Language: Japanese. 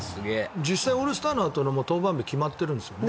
実際オールスターのあとの登板日決まってるんですよね。